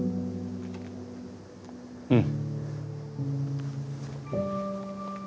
うん。